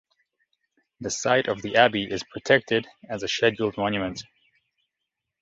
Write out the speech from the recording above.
The site of the abbey is protected as a scheduled monument.